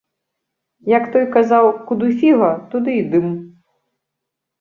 Як той казаў, куды фіга, туды і дым.